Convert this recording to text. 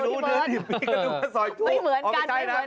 มันไม่เหมือนกัน